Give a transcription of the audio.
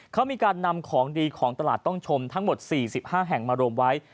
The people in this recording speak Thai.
เขามีการนำของดีของตลาดต้องชมทั้งหมด๔๕แห่งมารวมไว้